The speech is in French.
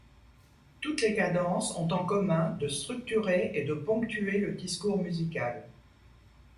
Toutes les cadences ont en commun de structurer et de ponctuer le discours musical.